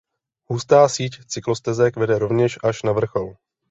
Hustá síť cyklostezek vede rovněž až na vrchol.